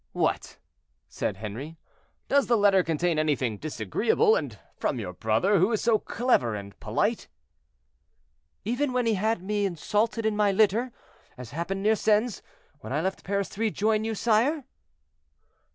"What!" said Henri, "does the letter contain anything disagreeable, and from your brother, who is so clever and polite?" "Even when he had me insulted in my litter, as happened near Sens, when I left Paris to rejoin you, sire."